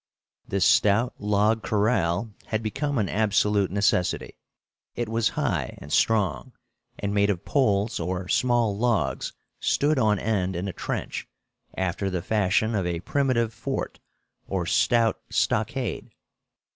This stout log corral had become an absolute necessity. It was high and strong, and made of poles or small logs stood on end in a trench, after the fashion of a primitive fort or stout stockade.